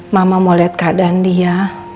mama mau lihat keadaan dia